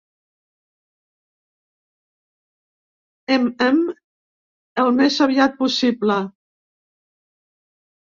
Mm el més aviat possible.